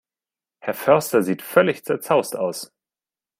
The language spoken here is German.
Herr Förster sieht völlig zerzaust aus.